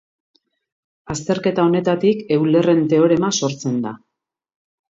Azterketa honetatik Eulerren teorema sortzen da.